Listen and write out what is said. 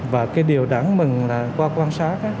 và cái điều đáng mừng là qua quan sát